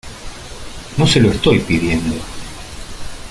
no se lo estoy pidiendo